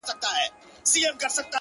ځكه انجوني وايي له خالو سره راوتي يــو”